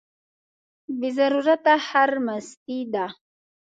بې ضرورته خرمستي ده.